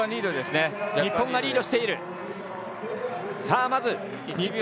日本がリードしている。